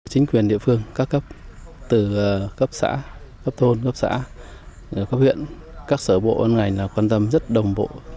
chính quyền địa phương các cấp từ cấp xã cấp thôn cấp xã cấp huyện các sở bộ các ngành quan tâm rất đồng bộ